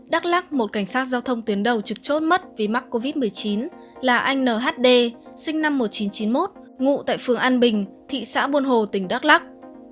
đắk lắc một cảnh sát giao thông tuyến đầu trực chốt mất vì mắc covid một mươi chín là anh nhd sinh năm một nghìn chín trăm chín mươi một ngụ tại phường an bình thị xã buôn hồ tỉnh đắk lắc